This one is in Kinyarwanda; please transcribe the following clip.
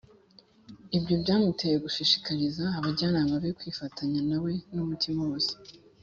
ibyo byamuteye gushishikariza abajyanama be kwifatanya nawe n’umutima wose